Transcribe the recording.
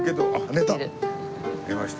寝ました。